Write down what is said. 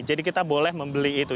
jadi kita boleh membeli itu